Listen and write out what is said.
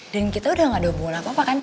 dan kita udah gak ada hubungan apa apa kan